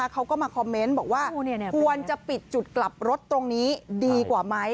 เขาก็มาคอมเมนต์บอกว่าควรจะปิดจุดกลับรถตรงนี้ดีกว่าไหม